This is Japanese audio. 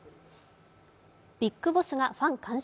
ビッグボスがファン感謝